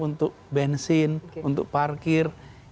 untuk bensin untuk parkir